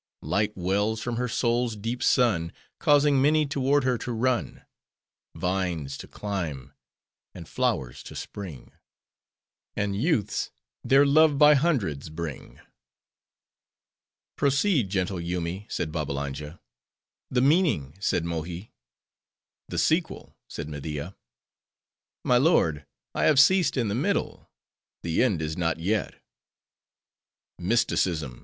Light wells from her soul's deep sun Causing many toward her to run! Vines to climb, and flowers to spring; And youths their love by hundreds bring! "Proceed, gentle Yoomy," said Babbalanja. "The meaning," said Mohi. "The sequel," said Media. "My lord, I have ceased in the middle; the end is not yet." "Mysticism!"